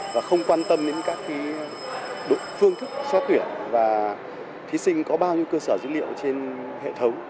và không quan tâm đến các phương thức xóa tuyển và thí sinh có bao nhiêu cơ sở dữ liệu trên hệ thống